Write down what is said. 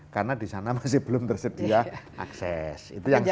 karena di sana masih belum tersedia akses